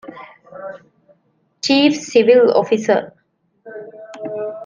ޗީފް ސިވިލް އޮފިސަރ